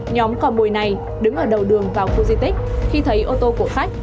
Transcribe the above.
nhóm cò bùi này đứng ở đầu đường vào khu di tích khi thấy ô tô của khách